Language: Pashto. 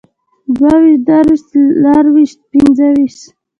دوهويشت، دريويشت، څلرويشت، پينځهويشت